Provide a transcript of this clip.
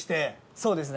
そうですね。